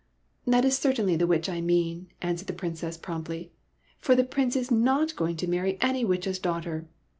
"That is certainly not the witch I mean," answered the Princess, promptly, "for the Prince is not going to marry any witch's daughter